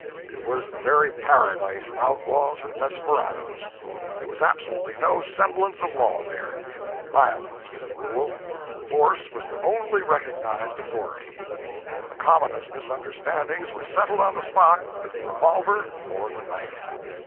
It was the very paradise of outlaws and desperadoes. There was absolutely no semblance of law there. Violence was the rule. Force was the only recognized authority. The commonest misunderstandings were settled on the spot with the revolver or the knife.